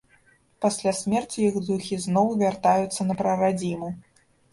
Пасля смерці іх духі зноў вяртаюцца на прарадзіму.